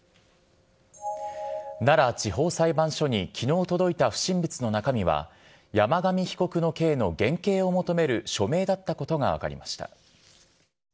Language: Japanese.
奈良地方裁判所にきのう届いた不審物の中身は、山上被告の刑の減刑を求める署名だったことが分かりました。